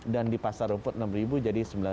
dan di pasar rumput enam ribu jadi sembilan ribu